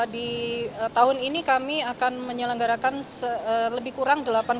di tahun ini kami akan menyelenggarakan lebih kurang